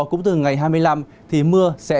cũng từ ngày hai mươi năm thì mưa sẽ